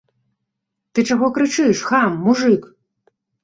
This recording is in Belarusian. Ты чаго крычыш, хам, мужык?